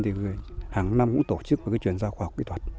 thì hàng năm cũng tổ chức một cái chuyển giao khoa học kỹ thuật